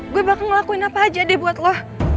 gue bakal ngelakuin apa aja deh buat lo